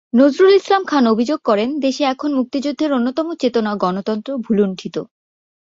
নজরুল ইসলাম খান অভিযোগ করেন, দেশে এখন মুক্তিযুদ্ধের অন্যতম চেতনা গণতন্ত্র ভূলুণ্ঠিত।